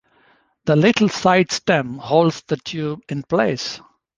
The little side stem holds the tube in place.